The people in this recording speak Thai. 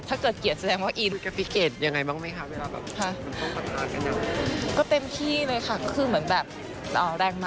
ถ้าเกิดเกลียดแสดงว่าอิน